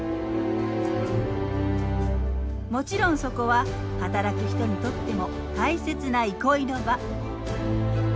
もちろんそこは働く人にとっても大切な憩いの場。